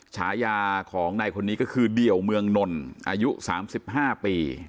ฉายาของนายคนนี้ก็คือเดี่ยวเมืองนนอายุ๓๕ปี